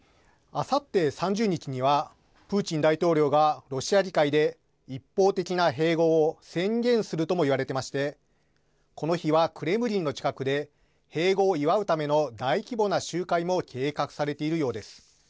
あさって３０日にはプーチン大統領がロシア議会で一方的な併合を宣言するとも言われてましてこの日は、クレムリンの近くで併合を祝うための大規模な集会も計画されているようです。